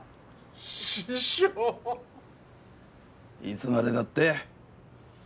いつまでだって？